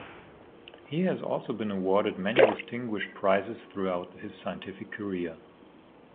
He has also been awarded many distinguished prizes throughout his scientific career.